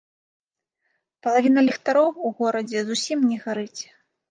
Палавіна ліхтароў у горадзе зусім не гарыць.